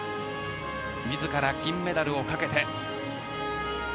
自ら金メダルをかけて。